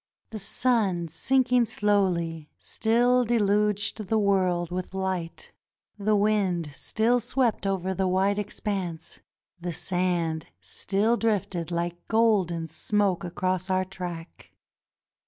The sun, sinking slowly, still deluged the world with light; the wind still swept over the wide expanse; the sand still drifted hke golden smoke across our track.